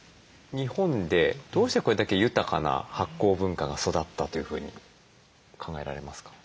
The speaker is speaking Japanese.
日本でどうしてこれだけ豊かな発酵文化が育ったというふうに考えられますか？